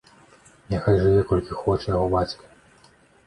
Няхай жыве, колькі хоча, яго бацька.